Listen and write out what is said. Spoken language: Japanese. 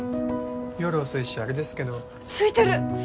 夜遅いしあれですけどすいてる！